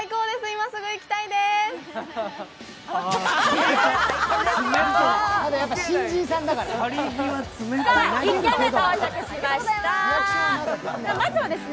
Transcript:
今すぐ行きたいでーす。